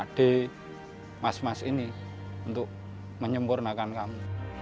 adik mas mas ini untuk menyempurnakan kamu